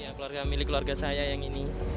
ya keluarga milik keluarga saya yang ini